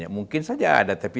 mungkin saja ada tapi